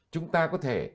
chúng ta có thể